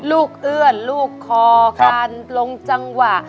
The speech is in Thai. เอื้อนลูกคอการลงจังหวะ